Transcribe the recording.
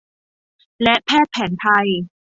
และแพทย์แผนไทย